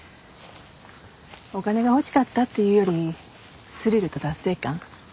お金が欲しかったっていうよりスリルと達成感？